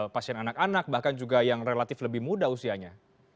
pasien anak anak bahkan juga yang relatif lebih muda usianya